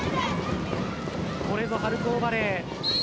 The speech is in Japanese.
これぞ春高バレー。